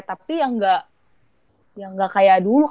tapi yang gak kayak dulu